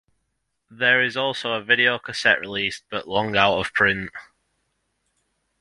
There is also a video cassette released, but long out of print.